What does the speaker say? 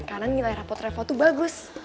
karena nilai rapot reva tuh bagus